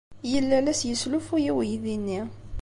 Yella la as-yesslufuy i uydi-nni.